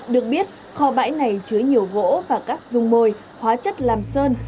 được biết kho bãi này chứa nhiều gỗ và các dung môi hóa chất làm sơn